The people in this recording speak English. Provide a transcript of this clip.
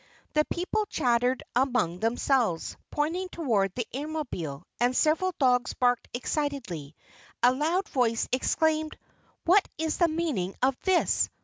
The people chattered among themselves, pointing toward the Airmobile, and several dogs barked excitedly. A loud voice exclaimed: "What is the meaning of this?